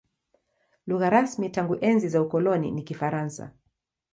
Lugha rasmi tangu enzi za ukoloni ni Kifaransa.